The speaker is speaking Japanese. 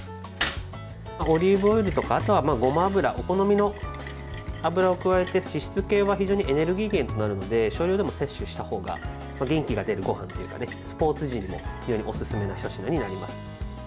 オリーブオイルとか、ごま油お好みの油を加えて脂質系はエネルギー源となるので少量でも摂取したほうが元気が出るごはんというかスポーツ時にもよりおすすめのひと品になります。